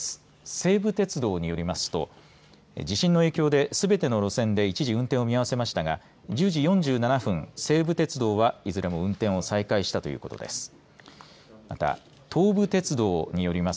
西武鉄道によりますと地震の影響で、すべての路線で一時、運転を見合わせましたが１０時４７分、西武鉄道はいずれも運転を再開したということです。